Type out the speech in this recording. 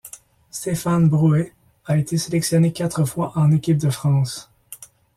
Stéphane Bruey a été sélectionné quatre fois en équipe de France.